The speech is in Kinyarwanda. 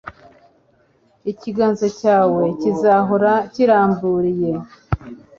Ikiganza cyawe kizahore kiramburiye